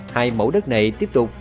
hai mẫu đất này tiếp tục